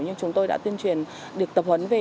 nhưng chúng tôi đã tuyên truyền được tập huấn về